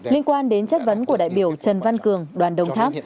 liên quan đến chất vấn của đại biểu trần văn cường đoàn đồng tháp